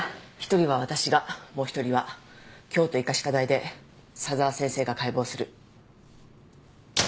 １人は私がもう１人は京都医科歯科大で佐沢先生が解剖する。